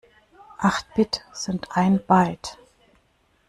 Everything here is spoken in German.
Acht Bit sind ein Byte.